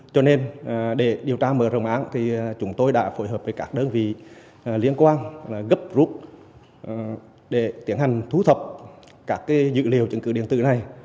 cho nên để điều tra mở rộng án thì chúng tôi đã phối hợp với các đơn vị liên quan gấp rút để tiến hành thu thập các dữ liệu chứng cứ điện tử này